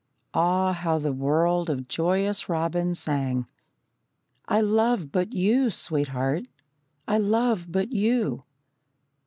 Ah, how the world of joyous robins sang: "I love but you, Sweetheart, I love but you!"